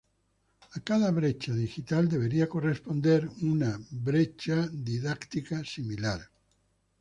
A cada brecha digital debería corresponder una similar desde la didáctica.